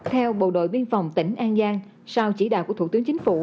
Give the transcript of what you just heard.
theo bộ đội biên phòng tỉnh an giang sau chỉ đạo của thủ tướng chính phủ